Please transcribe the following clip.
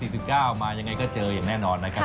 ถนนสวนผัก๔๙มาอย่างไรก็เจออย่างแน่นอนนะครับ